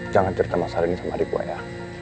jangan cerita masalah ini sama adik gue ya